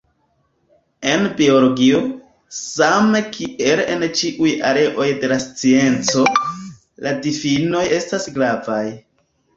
En biologio, same kiel en ĉiuj areoj de la scienco, la difinoj estas gravaj.